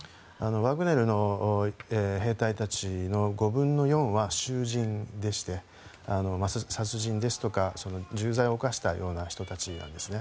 ワグネルの兵隊たちの５分の４は囚人でして殺人ですとか重罪を犯したような人たちなんですね。